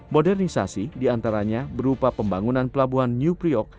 modernisasi diantaranya berupa pembangunan pelabuhan new priok